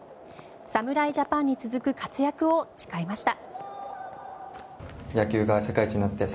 侍ジャパンに続く活躍を誓いました。